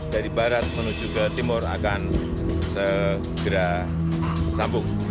dari barat menuju ke timur akan segera sambung